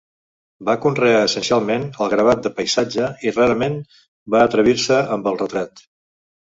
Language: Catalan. Va conrear essencialment el gravat de paisatge, i rarament va atrevir-se amb el retrat.